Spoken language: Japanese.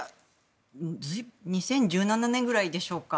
２０１７年くらいでしょうか。